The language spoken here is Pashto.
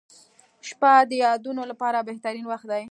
• شپه د یادونو لپاره بهترین وخت دی.